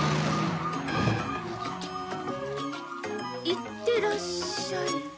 いってらっしゃい。